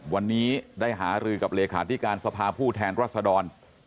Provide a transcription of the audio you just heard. วันนี้ได้หาลือกับเหลขาที่การสภาพผู้แทนรสดอง